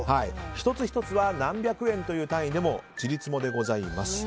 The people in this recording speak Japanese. １つ１つは何百円という単位でもちり積もでございます。